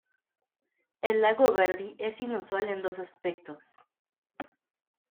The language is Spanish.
El lago Verdi es inusual en dos aspectos.